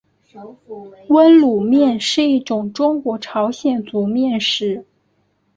温卤面是一种中国朝鲜族面食。